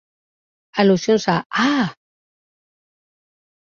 Al·lusions a "Ah!"